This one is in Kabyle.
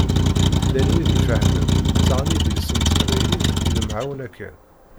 Llan wid ifehmen, ttaɣen idlisen n teqbaylit, i lemɛawna kan.